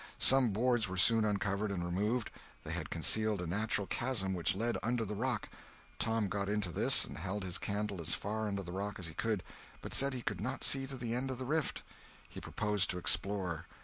Some boards were soon uncovered and removed. They had concealed a natural chasm which led under the rock. Tom got into this and held his candle as far under the rock as he could, but said he could not see to the end of the rift. He proposed to explore.